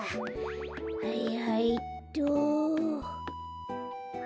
はいはいっと。